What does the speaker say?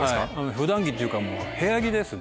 普段着っていうか部屋着ですね。